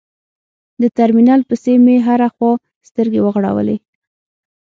د ترمینل پسې مې هره خوا سترګې وغړولې.